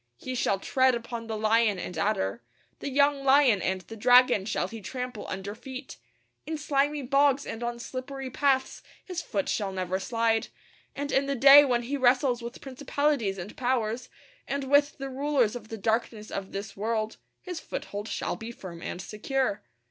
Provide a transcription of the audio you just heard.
He shall tread upon the lion and adder; the young lion and the dragon shall he trample under feet. In slimy bogs and on slippery paths his foot shall never slide; and in the day when he wrestles with principalities and powers, and with the rulers of the darkness of this world, his foothold shall be firm and secure.